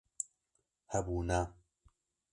Hebûne